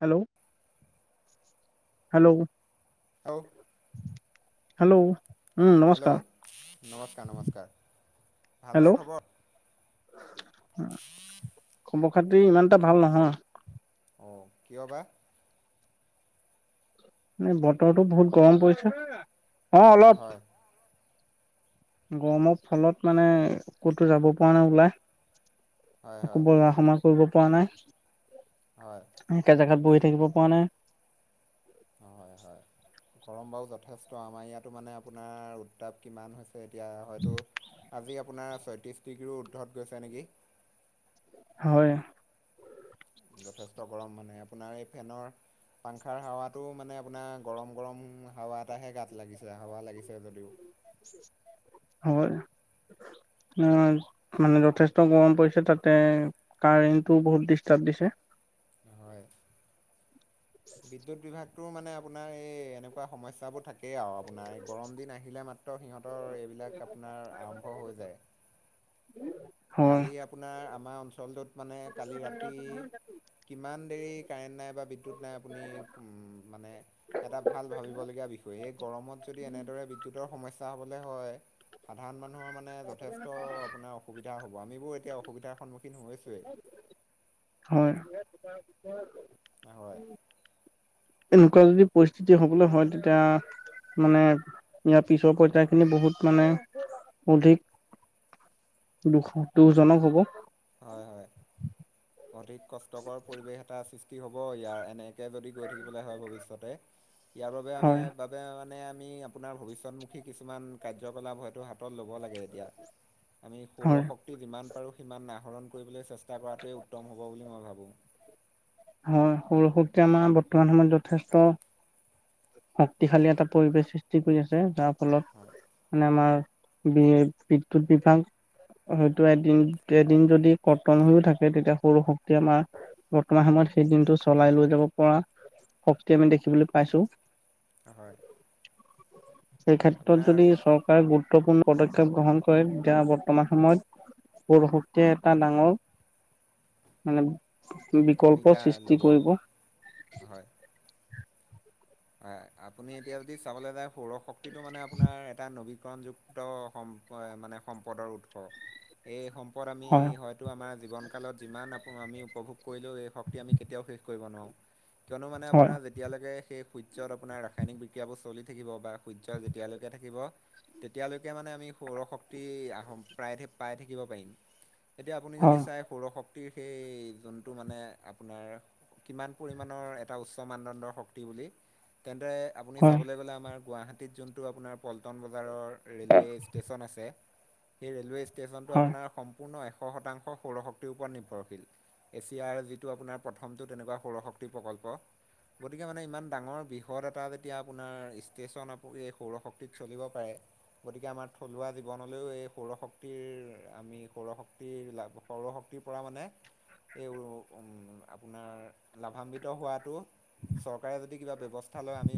Hello hello অ। Hello উম নমস্কাৰ hello নমস্কাৰ নমস্কাৰ ভালনে হেল্ল' খবৰ। খবৰ খাতি ইমানটা ভাল নহয়। অ কিয় বা এ বতৰতো বহুত গৰম পৰিছে অ অলপ। হয় গৰমৰ ফলত মানে ক'তো যাব পৰা নাই হয় ওলায়। একো হয় বজা সমা কৰিব পৰা হয় নাই একে জেগাত বহি। থাকিব পাৰে নে? হয় হয় গৰম বাৰু যথেষ্ট আমাৰ ইয়াতো মানে আপোনাৰ উত্তাপ কিমান হৈছে। এতিয়া হয়তো আজি আপোনাৰ ছয়ত্ৰিশ ডিগ্ৰী উৰ্দ্ধত গৈছে নেকি? হয়। যথেষ্ট গৰম মানে আপোনাৰ এই ফেনৰ। পাংখাৰ হাৱাটো মানে আপোনাৰ গৰম গৰম হাৱা এটাহে গাত লাগিছে হাৱা লাগিছে। যদিও হয়। মানে যথেষ্ট গৰম পৰিছে তাতে কাৰেণ্টটো বহুত ডিষ্টাৰ্ব দিছে। হয় বিদ্যুৎ বিভাগ। তো মানে আপোনাৰ এই এনেকোৱা সমস্যাবোৰ থাকে। তাকেই আৰু আপোনাৰ এই গৰম দিন আহিলে মাত্ৰ সিহঁতৰ এইবিলাক আপোনাৰ আৰম্ভ হৈ যায়। [inaudible] হয় কালি আপোনাৰ আমাৰ অঞ্চলটোত। মানে কালি ৰাতি কিমান দেৰি কাৰেণ্ট নাই বা বিদ্যুৎ নাই আপুনি। মানে এটা ভাল ভাবিবলগীয়া বিষয় এই গৰমত যদি এনেদৰে বিদ্যুতৰ সমস্যা হ'বলৈ হয়। সাধাৰণ মানুহৰ মানে যথেষ্ট আপোনাৰ অসুবিধা। হ'ব আম বোৰ এতিয়া অসুবিধাৰ সন্মুখীন হৈছোৱেই। হয় উম। এনেকোৱা যদি পৰিস্থিতি হ'বলৈ হয় তেতিয়া মানে ইয়াৰ পিছৰ পইতাখিনি বহুত মানে অধিক দুশ দুজনক হ'ব হয় হয় অধিক কষ্টকৰ পৰিৱেশ এটা সৃষ্টি হব ইয়াৰ এনে যদি গৈ থাকিবলৈ হয় ভৱিষ্যতে ইয়াৰ বাবে আমি হয় বাবে আমি আপোনাৰ ভৱিষ্যতমুখী কিছুমান কাৰ্যকলাপ হয়তো হাতত ল'ব লাগে তিয়া আমি হয় সৌৰশক্তি যিমান পাৰোঁ সিমান আহ আহৰণ কৰিবলৈ চেষ্টা। চা কৰাটোৱে উত্তম হ'ব বুলি মই ভাবোঁ। হয় সৰু সৰুতে আমাৰ বৰ্তমান সময়ত যথেষ্ট। শক্তিশালী এটা পৰিৱেশ সৃষ্টি কৰি আছে যাৰ হয়, ফলত মানে আমাৰ। বি বিদ্যুৎ বিভাগ। হয়তো এদিন এদিন যদি কটন হৈও থাকে তেতিয়া সৰু শক্তি আমাৰ বৰ্তমান সময়ত সেই দিনটো চলাই লৈ যাব পৰা শক্তি আমি দেখিবলৈ পাইছো। হয়। সেই ক্ষেত্ৰত আপোনাৰ যদি চৰকাৰে গুৰুত্বপূৰ্ণ পদক্ষেপ গ্ৰহণ কৰে তেতিয়া বৰ্তমান সময়ত। পৰসৰে এটা ডাঙৰ মানে। বিকল্প ভূমিকা সৃষ্টি ল'ব কৰিব। হয়। হয় আপুনি এতিয়া যদি চাবলৈ যায় সৌৰ শক্তিটো মানে আপোনাৰ এটা নবী। যুক্ত সম মানে সম্পদৰ উৎস এই সম্পদ। ওপৰত আমি হয় হয়তো আমাৰ জীৱনকালত যিমান। আমি উপভোগ কৰিলেও এই শক্তি আমি কেতিয়াও শেষ কৰিব নোৱাৰোঁ কিয়নো মানে হয় আপোনাৰ যেতিয়ালৈকে সেই। সূৰ্যত আপোনাৰ ৰাসায়নিক বিক্ৰিয়াবোৰ চলি থাকিব বা সূৰ্য যেতিয়ালৈকে থিব তেতিয়ালৈকে মানে আমি। সৌৰ শক্তি আহ প্ৰায় পাই থাকিব পাৰিম এতিয়া আপুনি যদি হয় চাই সৌৰশক্তি সেই যোনটো মানে আপোনাৰ। কিমান পৰিমাণৰ এটা উচ্চ মানদণ্ডৰ শক্তি বুলি। তেন্তে আপুনি হয় চাবলৈ গ'লে আমাৰ গুৱাহাটীত যোনটো আপোনাৰ পল্টন বজাৰৰ। ৰেলৱে ষ্টেচন আছে সেই ৰেলৱে ষ্টেচনটো হয় আপোনাৰ সম্পূৰ্ণ শ শতাংশ সৌৰশক্তিৰ ওপৰত নিৰ্ভৰশীল এছিয়াৰ যিটো আপোনাৰ প্ৰথমটো তেনেকুৱা সৌৰশক্তি প্ৰকল্প গতিকে মানে ইমান ডাঙৰ বৃহৎ এটা যেতিয়া আপোনাৰ ষ্টেশচন আপ এই সৌৰশক্তিত চলিব পাৰে গতিকে আমাৰ থলুৱা জীৱনলৈও এই সৌৰশক্তিৰ আমি সৌৰশক্তিৰ লাভ সৌৰশক্তি ৰাতি পৰা মানে এই উ আপোনাৰ লাভান্বিত হোৱাটো চৰকাৰে কিবা ব্যৱস্থা লয় আমি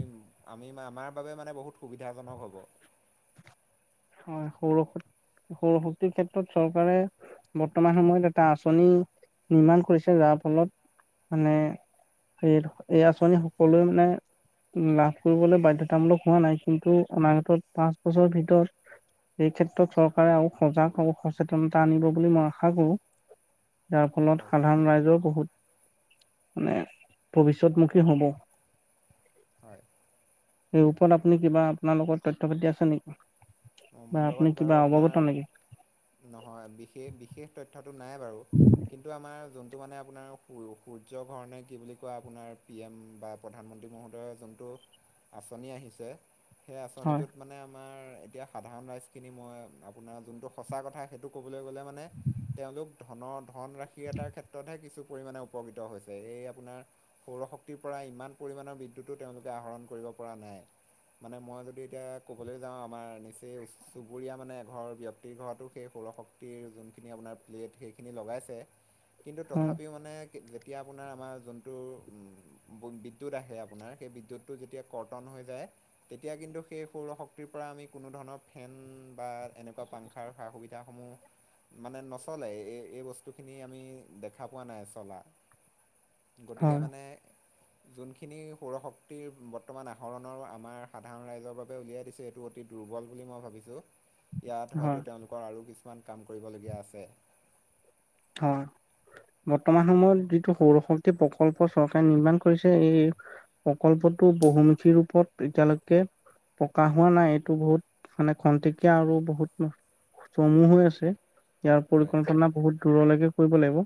আমি আমাৰ বাবে মানে বহুত সুবিধাজনক হ'ব হয় সৌৰ সৌৰশক্তিৰ ক্ষেত্ৰত চৰকাৰে বৰ্তমান সময়ত এটা আঁচনি নিৰ্মাণ কৰিছে যাৰ ফলত মানে স এই আঁচনি সকলোৱে মানে লাভ কৰিবলৈ বাধ্যতামূলক হোৱা নাই কিন্তু অনাগত পাঁচ বছৰৰ ভিতৰত এই ক্ষেত্ৰত চৰকাৰে আৰু সজাগ আৰু সচেতনতা আনিব বুলি মই আশা কৰো যাৰ ফলত হয়। সাধাৰণ ৰাইজৰ বহুত মানে ভৱিষ্যতমুখী হ'ব হয়, সেই ওপৰত আপুনি কিবা আপোনাৰ লগত তথ্য়্য পাতি আছে নেকি অঁ বা মোৰ আপুনি লগত বাৰু কিবা অৱগত আপোনাৰ নেকি নহয় বিশষ বিশেষ তথ্য নাই বাৰু কিন্ত আমাৰ টো মানে আপোনাৰ স সূৰ্য ঘৰণে কি বুলি কোৱা আপোনাৰ পি এম বা প্ৰধানমন্ত্ৰী মহোদয়ৰ যোনটো আঁচনি আহিছে সেই হয় আঁচনিটোত মানে আমাৰ এতিয়া সাধাৰণ ৰাইজখিনি মই আপোনাৰ যোনটো সঁচা কথা সেইটো ক'বলৈ গ'লে মানে তেওঁলোক ধনৰ ধনৰাশি এটাৰ ক্ষেত্ৰতহে কিছু পৰিমাণে উপকৃত হৈছে এই আপোনাৰ সৌৰশক্তিৰ পৰা ইমান পৰিমাণৰ বিদ্যুতো তেওঁলোকে আহৰণ কৰিব কৰা নাই মানে মই যদি এতিয়া ক'বলৈ যাওঁ আমাৰ সেই চুবুৰীয়া মানে ঘৰৰ ব্যক্তিৰ ঘৰতো সেই সৌৰশক্তিৰ যোনখিনি আপোনাৰ প্লেট সেইখিনি লগাই তে কিন্তু হয় তথাপিও মানে যেতিয়া আপোনাৰ আমাৰ যোনটো বিদ্যুৎ আহে আপোনাৰ সেই বিদ্যুৎটো যেতিয়া কৰ্তন হৈ যায় তেতিয়া কিন্তু সেই সৌৰশক্তিৰ পৰা আমি কোনোধৰণৰ ফেন বা এনেকুৱা পাংখাৰ সা- সুবিধাসমূহ মানে নচলে এই এই বস্তুখিনি আমি দেখা পোৱা নাই চলা গতিকে হয় মানে যোনখিনি সৌৰশক্তিৰ বৰ্তমান আহৰণৰ আমাৰ সাধাৰণ ৰাইজৰ বাবে উলিয়াই দিছে এইটো অতি দুৰ্বল মই ভাবিছো ইয়াত হয়তো হয় তেওঁলোকৰ আৰু কিছুমান কাম কৰিব লগিয়া আছে হয় বৰ্তমান সময়ত যিটো সৌৰশক্তি প্ৰকল্প চৰকাৰে নিৰ্মাণ কৰিছে এই প্ৰকল্পত বহুমুখী ৰূপত এতিয়ালৈকে পকা হোৱা নাই এইটো বহুত মানে খন্তেকীয়া আৰু বহুত চমু হৈ আছে ইয়াৰ হয় পৰিকল্পনা বহুত দূৰলৈকে কৰিব লাগিব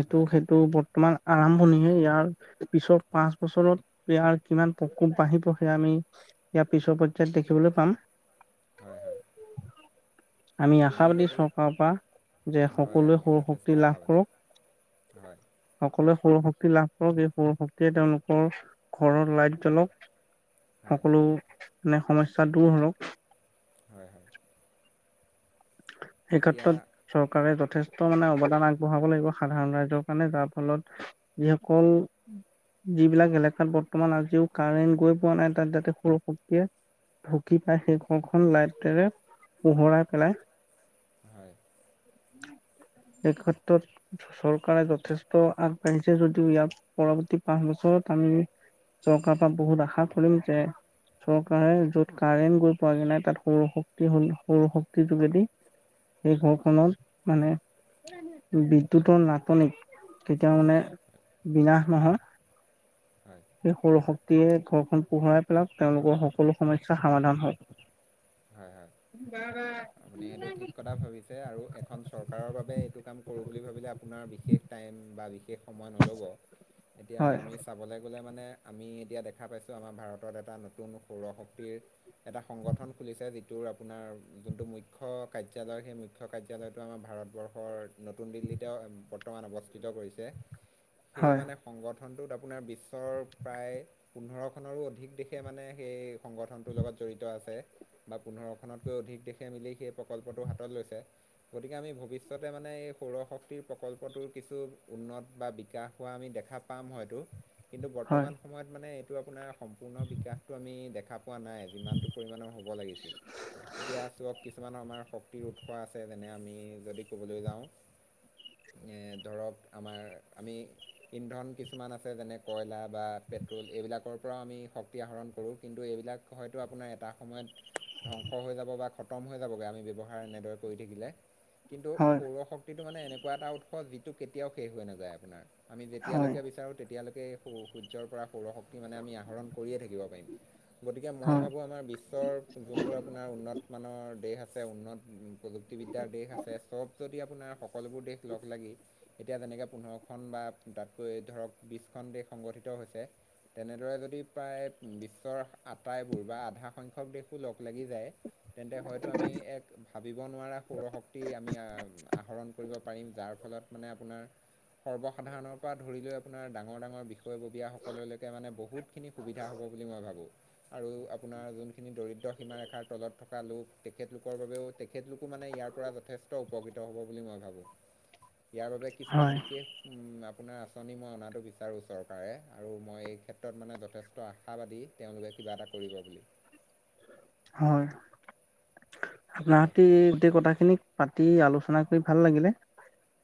সটো হয় সেইটো তোমান আৰম্ভণিহে ইয়াৰ পিছত পাঁচ বছৰত ইয়াৰ কিমান প্ৰকোপ বাঢ়িব সেয়া আমি ইয়াৰ পিছৰ পৰ্যয়ায়ত দেখিবলৈ পাম হয় হয় আমি আপুনি আশাবাদী যদি চৰকাৰৰ পৰা যে হয় সকলোৱে আমি সৰু যথেষ্ট শক্তি লাভ আশাবাদী কৰক। হয় সকলোৱে সৰু শক্তি লাভ কৰক এই সৰু শক্তিয়ে তেওঁলোকৰ ঘৰৰ লাইট জ্বলক হয় সকলো মানে সমস্যা দূৰ হৰক হয় হয় এই এতিয়া ক্ষেত্ৰত চৰকাৰে যথেষ্ট মানে অৱদান আগবঢ়াব লাগিব সাধাৰণ ৰাইজৰ কাৰণে যাৰ ফলত যিসকল যিবিলাক এলেকাত বৰ্তমান আজিও কাৰেণ্ট গৈ পোৱা নাই তাত যাতে সৰু শক্তিয়ে ঢুকি পাই সেই ঘৰখন লাইটেৰে পোহৰাই পেলাই। হয়। উ। এই ক্ষেত্ৰত চৰকাৰে যথেষ্ট আগবাঢ়িছে যদিও ইয়াৰ পৰৱৰ্তী পাঁচ বছৰ আমি চৰকাৰ পৰা বহুত আশা কৰিম যে চৰকাৰে য'ত কাৰেণ্ট গৈ পোৱাগৈ নাই তাত সৌৰ শক্তিসমূহ সৌৰ শক্তিৰ যোগেদি সেই ঘৰখনত মানে বিদ্যুতৰ নাটনিত কেতিয়া মানে বিনাশ নহয় হয় সে সৌৰ শক্তি ৰাতিয়ে ঘৰখন পোহৰাই পেলাওক তেওঁলোকৰ সকলো সমস্যা সমাধান হয়। হয় হয় বা বা। আপুনি এইটো ঠিক কথা ভাবিছে আৰু এখন চৰকাৰৰ বাবে এইটো কাম কৰোঁ বুলি ভাবিলে আপোনাৰ বিশেষ টাইম বা বিশে বিশেষ সময় নল'ব এতিয়া হয় আমি চাবলৈ গ'লে মানে আমি এতিয়া দেখা পাইছোঁ আমাৰ ভাৰতত এটা নতুন সৌৰ শক্তিৰ এটা সংগঠন খুলিছে যিটোৰ আপোনাৰ যোনটো মুখ্য কাৰ্যালয় সেই মুখ্য কাৰ্যালয়টো আমাৰ ভাৰতবৰ্ষৰ নতুন দিল্লীতে বৰ্তমান অৱস্থিত কৰিছে সেই হয় মানে সংগত গঠনটোত আপোনাৰ বিশ্বৰ প্ৰায় পোন্ধৰখনৰো অধিক দেশে মানে সেই সংগঠনটোৰ লগত জড়িত আছে বা পোন্ধৰখনতকৈ অধিক দেশে মিলি সেই প্ৰকল্পটো হাতত লৈছে গতিকে আমি ভৱিষ্যতে মানে সৌৰশক্তিৰ প্ৰকল্পটোৰ কিছু উন্নত বা বিকাশ হোৱা আমি দেখা পাম হয়তো কিন্তু হয় বৰ্তমান সময়ত মানে এইটো আপোনাৰ সম্পূৰ্ণ বিকাশটো আমি দেখা পোৱা নাই যিমানটো পৰিমাণৰ লব লাগিছিল এতিয়া চক কিছুমান আমাৰ শ উৎস আছে যেনে আমি যদি ক'বলৈ যাওঁ। এ ধৰক আমাৰ আমি ইন্ধন কিছুমান আছে যেনে কয়লা বা পেট্ৰল এইবিলাকৰ পৰাও আমি শক্তি আহৰণ কৰোঁ। কিন্তু এইবিলাক হয়তো আপোনাৰ এটা সময়ত ধ্বংস হৈ যাব বা খতম হৈ যাবগৈ আমি ব্যৱহাৰ এনেদৰে কৰি থাকিলে। কিন্তু হয় সৌৰ শক্তিটো মানে এনেকুৱা এটা উৎস যিটো কেতিয়াও শেষ হৈ নাযায় আপোনাৰ। আমি হয় যেতিয়ালৈকে বিচাৰোঁ তেতিয়ৈকে সূ ৰ্সূৰ্যৰ পৰা সৌৰশক্তি মানে আমি আহৰণ কৰিয়ে থাকিব পাৰিম গতিকে মই হয় ভাবোঁ আমাৰ বিশ্বৰ যোনবোৰ আপোনাৰ উন্নতমানানৰ দেশ আছে উন্নত প্ৰযুক্তিবিদ্যাৰ দেশ আছে চব য'ত যদি আপোনাৰ সকলোবোৰ দেশ লগ লাগি এতিয়া যেনেকে পোন্ধৰখন তাতকৈ ধৰক বিছখন দেশ সংগঠিত হৈছে। তেনেদৰে যদি প্ৰায় বিশ্বৰ আটাইবোৰ বা আধা সংখ্যক দেশ লগ লাগি যায় তেন্তে হয়তো আমি এক ভাবিব নোৱাৰা সৌৰশক্তি আমি আহৰণ কৰিব পাৰিম যাৰ ফলত মানে আপোনাৰ সৰ্বসাধাৰণৰ পৰা ধৰি লৈ আপোনাৰ ডাঙৰ ডাঙৰ বিষয়ববীয়া সকললৈকে মানে বহুতখিনি সুবিধা হ'ব। বুলি মই ভাবোঁ আৰু আপোনাৰ যোনখিনি দৰিদ দ্ৰ সীমাৰেখাৰ তলত থকা লোক, তেখেতলোকৰ বাবেও তেখেতলোকো মানে ইয়াৰ পৰা যথেষ্ট উপকৃত হ'ব বুলি মই ভাবো। [inaudible] ইয়াৰ বাবে কিছুমান হয় বিশেষ আপ আপোনাৰ আঁচনি মই অনাটো বিচাৰোঁ চৰকাৰে আৰু মই এই ক্ষেত্ৰত মানে যথেষ্ট আশাবাদী তেওঁলোকে কিবা এটা কৰিব বুলি। হয় হয়, আপনাহতি গোটেই কথা খিনিক পাতি আলোচনা কৰি ভাল লাগিলে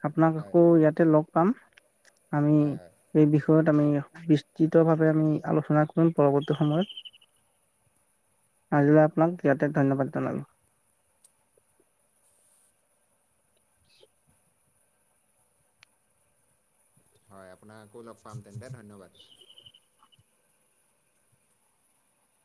আপোনাক হয়, আকৌ ইয়াতে লগ পাম। আমি হয়, হয়, এই বিষয়ত আমি বিস্তৃত ভাৱে আমি আলোচনা কৰিম পৰৱৰ্তী সময়ত। আজিলৈ আপোনাক ইয়াতে ধন্যবাদ জনালো। হয় আপোনাকো লগ পাম তেন্তে ধন্যবাদ।